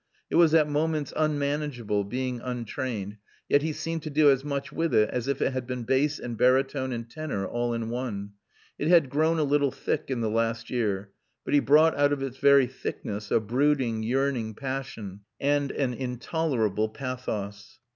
It was at moments unmanageable, being untrained, yet he seemed to do as much with it as if it had been bass and barytone and tenor all in one. It had grown a little thick in the last year, but he brought out of its very thickness a brooding, yearning passion and an intolerable pathos.